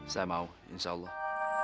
saya mau insya allah